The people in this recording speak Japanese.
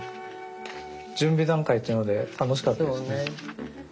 準備段階というので楽しかったですね。